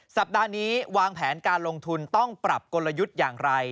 สัปดาห์นี้วางแผนการลงทุนต้องปรับกลยุทธ์อย่างไร